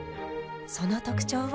その特徴は。